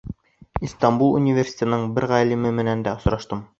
Истанбул университетының бер ғалимы менән дә осраштым.